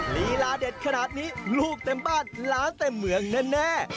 ลีลาเด็ดขนาดนี้ลูกเต็มบ้านล้านเต็มเมืองแน่